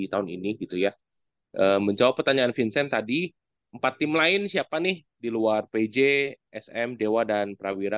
mulia menjawab pertanyaan vincent tadi empat tim lain siapa nih diluar pj sm dewa dan prawira